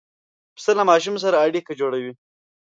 پسه له ماشوم سره اړیکه جوړوي.